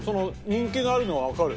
人気があるのはわかる。